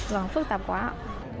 vâng phức tạp quá ạ